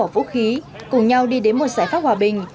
và cùng nhau đi đến một giải pháp hòa bình